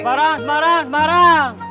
semarang semarang semarang